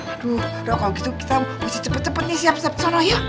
aduh kalau gitu kita harus cepet cepet siap siap sana ya